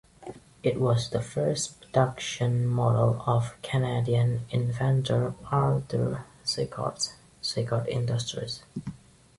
It was the first production model of Canadian inventor Arthur Sicard's Sicard Industries.